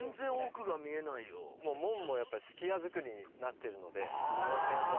門もやっぱり数寄屋造りになってるのでそのへんは。